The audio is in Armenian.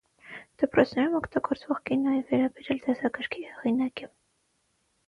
Դպրոցներում օգտագործվող կինոյի վերաբերյալ դասագրքի հեղինակ է։